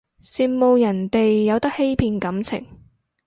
羨慕人哋有得欺騙感情